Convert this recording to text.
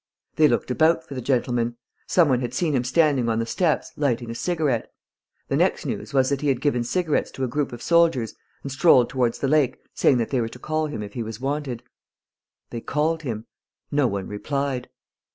They looked about for the gentleman. Some one had seen him standing on the steps, lighting a cigarette. The next news was that he had given cigarettes to a group of soldiers and strolled toward the lake, saying that they were to call him if he was wanted. They called him. No one replied.